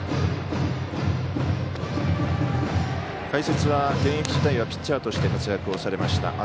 解説は現役時代はピッチャーとして活躍されました